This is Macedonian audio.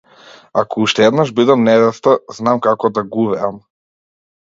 Ако уште еднаш бидам невеста, знам како да гувеам.